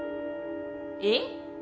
えっ？